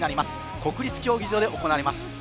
国立競技場で行われます。